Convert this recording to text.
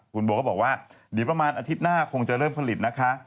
คุณโบก็บอกว่าเดี๋ยวประมาณอาทิตย์หน้าคงจะเริ่มผลิตนะคะ